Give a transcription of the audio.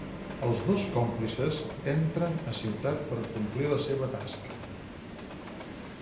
Els dos còmplices entren a ciutat per complir la seva tasca.